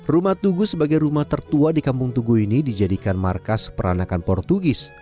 rumah tugu sebagai rumah tertua di kampung tugu ini dijadikan markas peranakan portugis